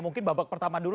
mungkin babak pertama dulu